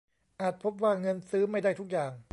อาจพบว่าเงินซื้อไม่ได้ทุกอย่าง